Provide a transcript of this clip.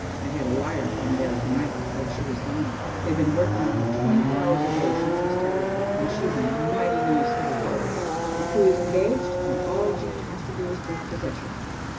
I had a wire from there to night that she was done. They've been working on her twenty four hours a day since I started her, and she's a mighty nice little boat. The crew is engaged, and all Jim has to do is take possession."